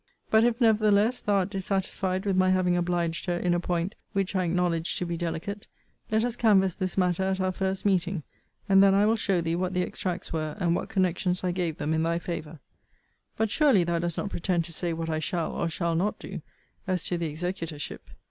But if, nevertheless, thou art dissatisfied with my having obliged her in a point, which I acknowledge to be delicate, let us canvas this matter at our first meeting: and then I will show thee what the extracts were, and what connections I gave them in thy favour. But surely thou dost not pretend to say what I shall, or shall not do, as to the executorship.